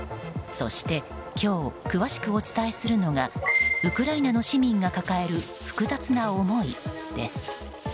そして、今日詳しくお伝えするのがウクライナの市民が抱える複雑な思いです。